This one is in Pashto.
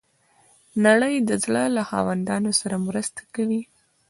نړۍ د زړه له خاوندانو سره مرسته کوي.